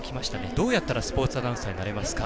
どうやったらスポーツアナウンサーになれますか？